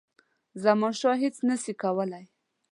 زمانشاه هیچ نه سي کولای.